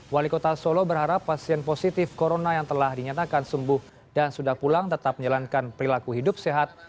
wali kota solo berharap pasien positif corona yang telah dinyatakan sembuh dan sudah pulang tetap menjalankan perilaku hidup sehat